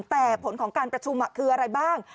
แต่ผลของการประชุมคืออะไรบ้าง